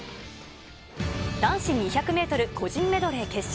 男子２００メートル個人メドレー決勝。